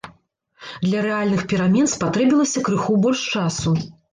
Для рэальных перамен спатрэбілася крыху больш часу.